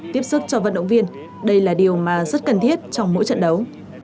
tiếp sức cho vận động viên đây là điều mà rất cần thiết trong mỗi trận đấu